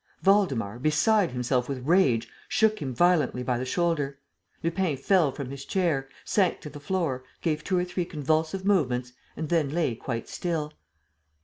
Waldemar, beside himself with rage, shook him violently by the shoulder. Lupin fell from his chair, sank to the floor, gave two or three convulsive movements and then lay quite still.